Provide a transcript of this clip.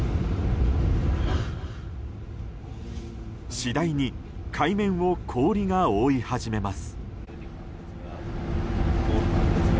次第に海面を氷が覆い始めます。